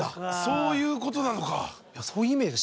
そういうことなのか。